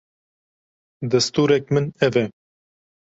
distûrek min ev e.